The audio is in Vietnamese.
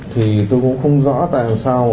thì tôi cũng không rõ tại sao